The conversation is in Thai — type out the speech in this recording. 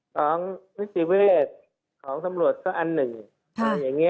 ของนิติเวชของสำรวจก็อันหนึ่ง